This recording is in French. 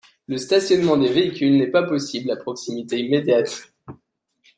Le stationnement des véhicules n'est pas possible à proximité immédiate.